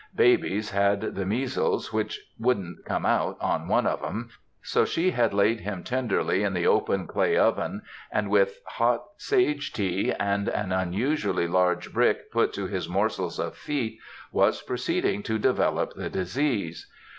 Babies had the measles, which wouldn't "come out" on one of them. So she had laid him tenderly in the open clay oven, and, with hot sage tea and an unusually large brick put to his morsels of feet, was proceeding to develop the disease.